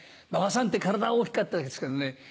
馬場さんって体は大きかったですけどね